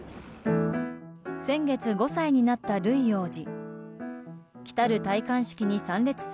先月５歳になったルイ王子。